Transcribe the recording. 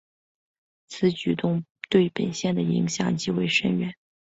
此举动对本线的影响极为深远。